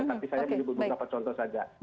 tapi saya menyebut beberapa contoh saja